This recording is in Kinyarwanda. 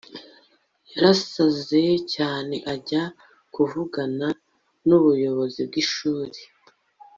yarasaze cyane ajya kuvugana numuyobozi wishuri